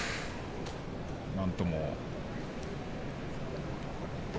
なんとも。